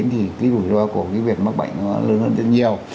thì cái rủi ro của cái việc mắc bệnh nó lớn hơn rất nhiều